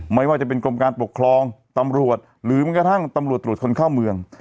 ไม่ว่าจะเป็นกรมการปกครองตำรวจหรือแม้กระทั่งตำรวจตรวจคนเข้าเมือง